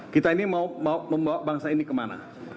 kita ini mau membawa bangsa ini kemana